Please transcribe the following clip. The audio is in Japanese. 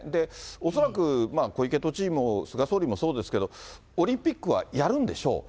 恐らく小池都知事も菅総理もそうですけれども、オリンピックはやるんでしょう。